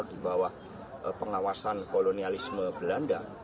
di bawah pengawasan kolonialisme belanda